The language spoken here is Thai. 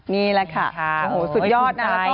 นี่แหละค่ะสุดยอดนะครับแล้วก็ขอบคุณค่ะ